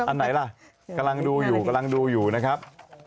อันไหนล่ะกำลังดูอยู่นะครับ